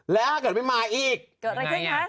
แล้วถ้าเกิดไม่มาอีกเกิดอะไรขึ้นคะ